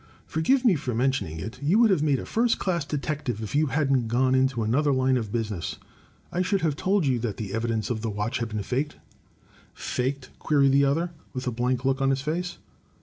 "For give me for mentioning it. You would have made a first dass detect ive if you hadn't gone into another line of business. I should have told you that the evidence of the watch had been faked." " Faked?" queried the other, with a blank look on his face.